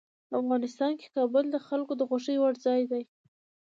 افغانستان کې کابل د خلکو د خوښې وړ ځای دی.